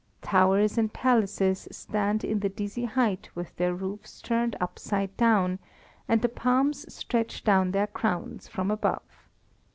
Towers and palaces stand in the dizzy height with their roofs turned upside down, and the palms stretched down their crowns from above.